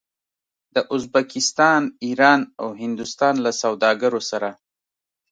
د ازبکستان، ایران او هندوستان له سوداګرو سره